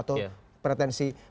atau pretensi mengambil